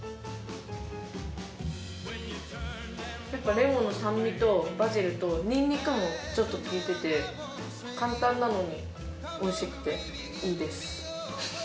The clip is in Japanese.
レモンの酸味とバジルとニンニクもちょっと効いてて簡単なのに美味しくていいです。